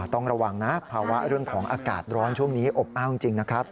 ต้องระวังนะภาวะเรื่องของอากาศร้อนช่วงนี้อบอ้าวจริงนะครับ